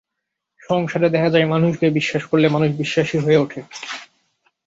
সংসারে দেখা যায় মানুষকে বিশ্বাস করলে মানুষ বিশ্বাসী হয়ে ওঠে।